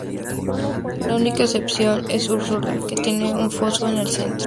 La única excepción es Úrsula que tiene un foso en el centro.